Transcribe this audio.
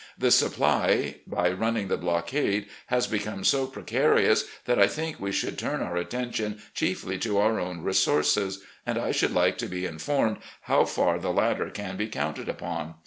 ... The supply, by running the blockade, has become so precarious that I think we should turn our attention chiefly to our own resources, and I should like to be THE ARMY OF NORTHERN VIRGINIA 105 infonned how far the latter can be counted upon.